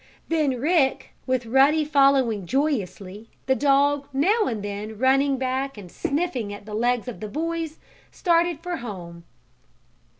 Then Rick, with Ruddy following joyously, the dog now and then running back and sniffing at the legs of the boys, started for home.